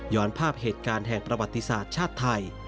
ภาพเหตุการณ์แห่งประวัติศาสตร์ชาติไทย